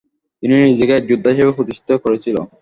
তিনি নিজেকে এক যোদ্ধা হিসেবে প্রতিষ্ঠিত করেছিল।